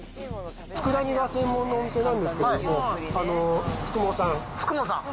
つくだ煮が専門のお店なんですけども、佃茂さん。